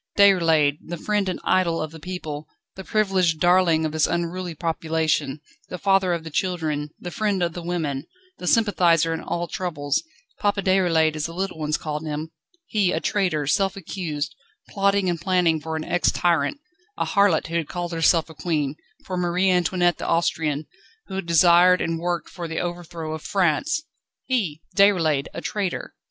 Déroulède, the friend and idol of the people, the privileged darling of this unruly population, the father of the children, the friend of the women, the sympathiser in all troubles, Papa Déroulède as the little ones called him he a traitor, self accused, plotting and planning for an ex tyrant, a harlot who had called herself a queen, for Marie Antoinette the Austrian, who had desired and worked for the overthrow of France! He, Déroulède, a traitor!